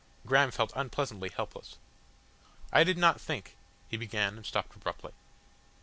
Graham felt unpleasantly helpless. "I did not think," he began and stopped abruptly.